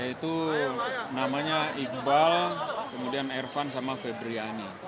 itu namanya iqbal kemudian ervan sama febriani